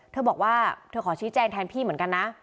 เธอบอกว่าเธอขอชี้แจงแทนพี่เหมือนกันนะ